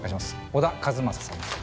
小田和正さんです。